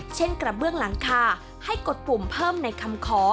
กระเบื้องหลังคาให้กดปุ่มเพิ่มในคำขอ